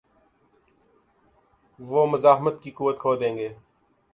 وہ مزاحمت کی قوت کھو دیں گے۔